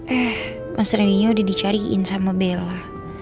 eh mas rendy nya udah dicariin sama bella